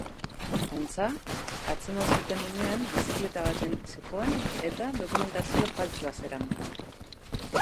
Antza, atzeman zuten unean bizikleta batean zihoan eta dokumentazio faltsua zeraman.